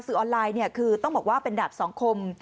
ออนไลน์เนี่ยคือต้องบอกว่าเป็นดาบสังคม